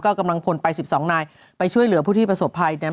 ก็กำลังพลไป๑๒นายไปช่วยเหลือผู้ที่ประสบภัยนะครับ